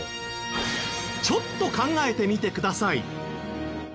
ちょっと考えてみてください！